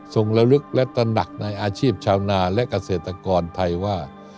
ระลึกและตระหนักในอาชีพชาวนาและเกษตรกรไทยว่า